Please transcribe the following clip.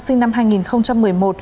sinh năm hai nghìn một mươi một